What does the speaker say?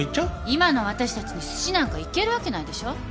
今の私たちにすしなんか行けるわけないでしょ。